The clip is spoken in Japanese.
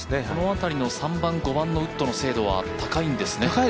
この辺りの３番、５番のウッドの精度は高いんですね。